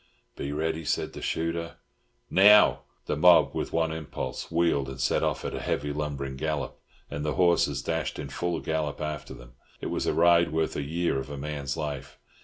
"Be ready," said the shooter. "Now!" The mob, with one impulse, wheeled, and set off at a heavy lumbering gallop, and the horses dashed in full gallop after them. It was a ride worth a year of a man's life.